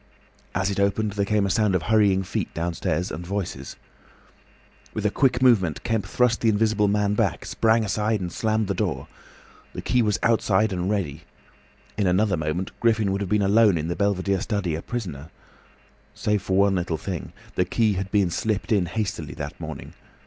As it opened, there came a sound of hurrying feet downstairs and voices. With a quick movement Kemp thrust the Invisible Man back, sprang aside, and slammed the door. The key was outside and ready. In another moment Griffin would have been alone in the belvedere study, a prisoner. Save for one little thing. The key had been slipped in hastily that morning.